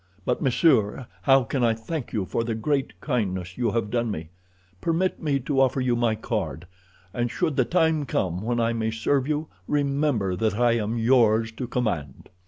But, monsieur, how can I thank you for the great kindness you have done me? Permit me to offer you my card, and should the time come when I may serve you, remember that I am yours to command."